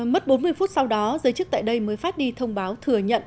mất bốn mươi phút sau đó giới chức tại đây mới phát đi thông báo thừa nhận